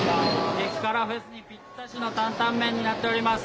激辛フェスにぴったりのタンタン麺になっております。